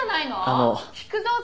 あの。